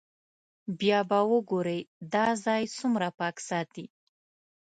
بیا به وګورئ دا ځای څومره پاک ساتي.